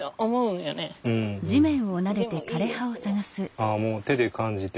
ああもう手で感じて。